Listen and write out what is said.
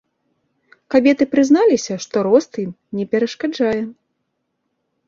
Кабеты прызналіся, што рост ім не перашкаджае.